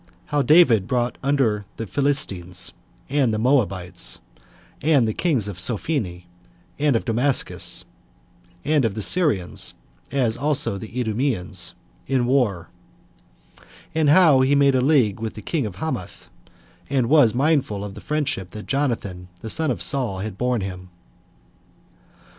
How David Brought Under The Philistines, And The Moabites, And The Kings Of Sophene And Of Damascus, And Of The Syrians As Also The Idumeans, In War; And How He Made A League With The King Of Hamath; And Was Mindful Of The Friendship That Jonathan, The Son Of Saul, Had Borne Him.